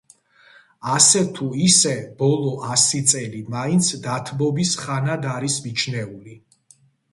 ასე თუ ისე, ბოლო ასი წელი მაინც დათბობის ხანად არის მიჩნეული.